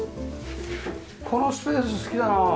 このスペース好きだなあ。